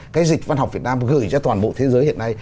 cái dịch văn học việt nam gửi ra toàn bộ thế giới hiện nay